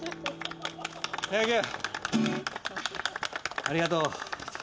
ありがとう。